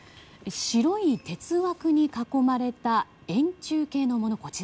白い鉄枠に囲まれた円柱形のもの